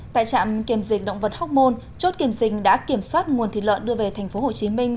tại trạm kiểm dịch động vật hocmon chốt kiểm dịch đã kiểm soát nguồn thịt lợn đưa về thành phố hồ chí minh